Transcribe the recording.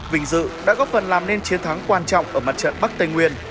vinh dự đã góp phần làm nên chiến thắng quan trọng ở mặt trận bắc tây nguyên